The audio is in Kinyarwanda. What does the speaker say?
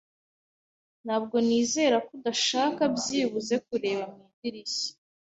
Ntabwo nizera ko udashaka byibuze kureba mu idirishya.